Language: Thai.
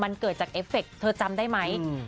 มันเกิดจากเอฟเฟกต์เธอจำได้มั้ย